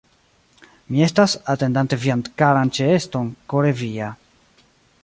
Mi estas, atendante vian karan ĉeeston, kore via.